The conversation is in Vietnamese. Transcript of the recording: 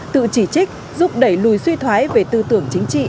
tự chỉ trích giúp đẩy lùi suy thoái về tư tưởng chính trị